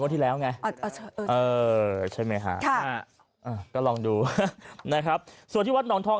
ที่แล้วไงใช่ไหมฮะก็ลองดูนะครับส่วนที่วัดหนองทอง